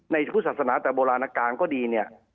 ในทุกศาสนาแต่โบราณการก็ดีเนี่ย